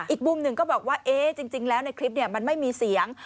อีกมุมหนึ่งก็บอกว่าจริงแล้วในคลิปมันไม่มีเสียง